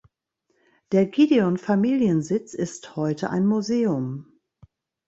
Der Gideon-Familiensitz ist heute ein Museum.